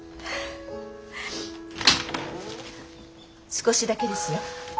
少しだけですよ。